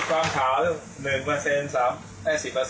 ไม่ขาวใช่มั้ยครับ